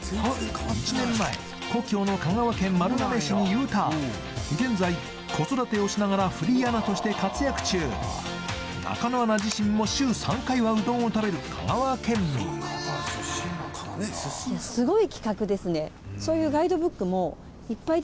１年前故郷の香川県丸亀市にＵターン現在子育てをしながらフリーアナとして活躍中中野アナ自身も週３回はうどんを食べる香川県民果たしてどんなランキングに？